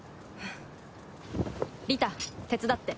リタ手伝って。